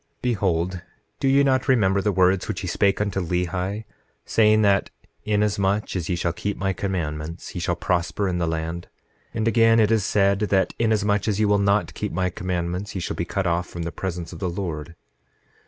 9:13 Behold, do ye not remember the words which he spake unto Lehi, saying that: Inasmuch as ye shall keep my commandments, ye shall prosper in the land? And again it is said that: Inasmuch as ye will not keep my commandments ye shall be cut off from the presence of the Lord.